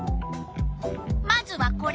まずはこれ。